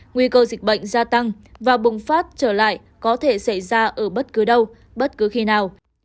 nguy cơ dịch bệnh gia tăng và bùng phát trở lại có thể xảy ra ở bất cứ đâu bất cứ khi nào